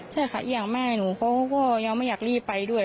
ใช่ค่ะอย่างแม่หนูเขาก็ยังไม่อยากรีบไปด้วย